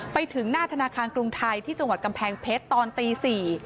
ไปถึงหน้าธนาคารกรุงไทยที่จังหวัดกำแพงเพชรตอนตี๔